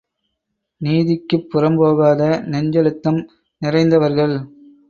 நீதிக்குப் புறம்போகாத நெஞ்சழுத்தம் நிறைந்தவர்கள்.